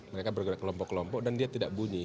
mereka bergerak kelompok kelompok dan dia tidak bunyi